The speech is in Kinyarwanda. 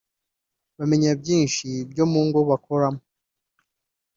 bamenya byinshi byo mu ngo bakoramo